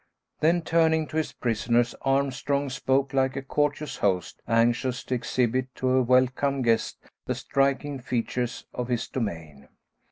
Then turning to his prisoners, Armstrong spoke like a courteous host anxious to exhibit to a welcome guest the striking features of his domain.